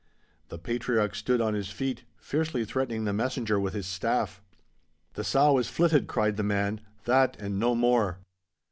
The patriarch stood up on his feet, fiercely threatening the messenger with his staff. 'The sow is flitted,' cried the man. That and no more.